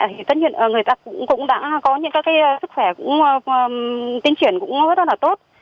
thì tất nhiên người ta cũng đã có những sức khỏe tiến triển cũng rất là tốt